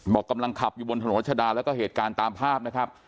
บอกกำลังขับอยู่บนถนนรัชดาแล้วก็เหตุการณ์ตามภาพนะครับ